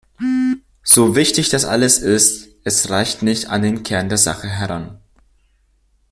So wichtig das alles ist, es reicht nicht an den Kern der Sache heran.